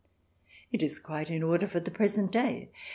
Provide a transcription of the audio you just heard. It is quite in order for the present day.